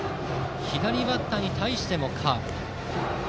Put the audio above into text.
左バッターに対してもカーブ。